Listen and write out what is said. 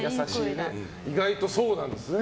意外とそうなんですね。